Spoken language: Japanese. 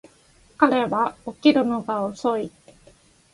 彼は起きるのが遅い